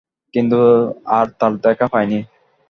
কিন্তু আর তাঁর দেখা পাইনি।